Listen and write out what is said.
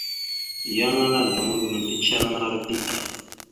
Yan ala azlam gənaw ticeliŋalara dik.